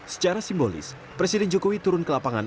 secara simbolis presiden jokowi turun ke lapangan